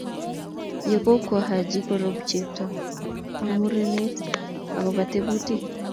ye kokowo Haji korub chepto ak murenet ak kobe tebutik.